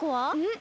ん？